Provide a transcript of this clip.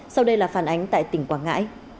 sau đây là phản ánh tại tỉnh quảng ngã